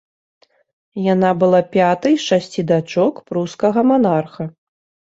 Яна была пятай з шасці дачок прускага манарха.